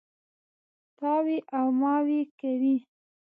تاوې او ماوې کوي.